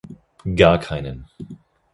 Gar keinen.